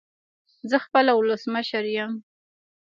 زه خپله ولسمشر يم